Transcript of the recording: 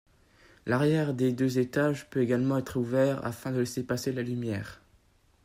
L'arrière des deux étages peut également être ouvert afin de laisser passer la lumière.